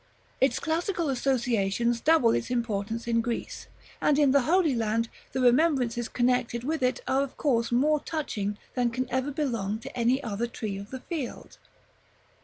Its classical associations double its importance in Greece; and in the Holy Land the remembrances connected with it are of course more touching than can ever belong to any other tree of the field.